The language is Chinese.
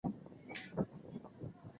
雷阿隆人口变化图示